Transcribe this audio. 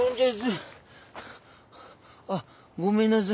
あっごめんなさい。